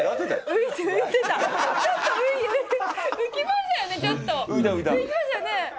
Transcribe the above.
浮いてましたよね。